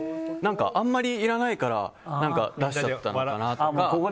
あまりいらないから出しちゃったのかなとか。